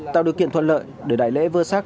tạo điều kiện thuận lợi để đại lễ vơ sắc